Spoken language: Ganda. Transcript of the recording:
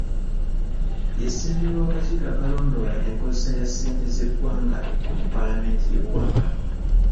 Ye ssentebe w'akakiiko akalondola enkozesa ya ssente z'eggwanga mu paalamenti y'eggwanga